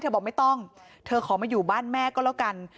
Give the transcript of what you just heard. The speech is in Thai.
บอกไม่ต้องเธอขอมาอยู่บ้านแม่ก็แล้วกัน